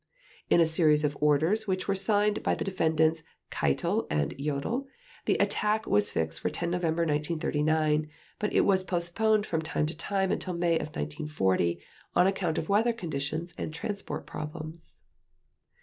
In a series of orders, which were signed by the Defendants Keitel and Jodl, the attack was fixed for 10 November 1939, but it was postponed from time to time until May of 1940 on account of weather conditions and transport problems.